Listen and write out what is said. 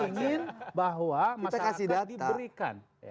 ingin bahwa masyarakat diberikan